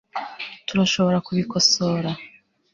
turashobora kubikosora